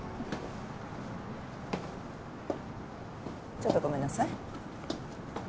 ちょっとごめんなさい。